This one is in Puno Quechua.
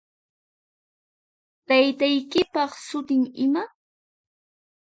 Taytaykipaq sutin iman?